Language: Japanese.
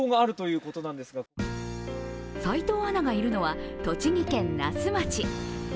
齋藤アナがいるのは栃木県那須町。